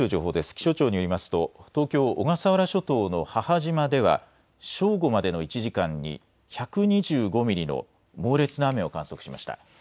気象庁によりますと東京小笠原諸島の母島では正午までの１時間に１２５ミリの猛烈な雨を観測しました。